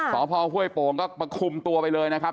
สอบพ่อเฮ่ยโป๋งก็ประคุมตัวไปเลยนะครับ